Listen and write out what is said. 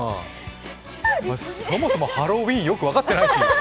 そもそもハロウィーンよく分かってないし。